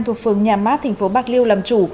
thuộc phường nhà mát thành phố bạc liêu làm chủ